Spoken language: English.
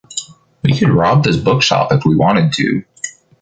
We could rob this bookshop if we wanted to.